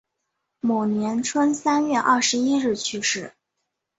某年春三月二十一日去世。